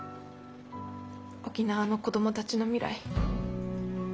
沖縄の子供たちの未来